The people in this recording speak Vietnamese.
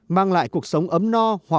mang lại cuộc sống ấm no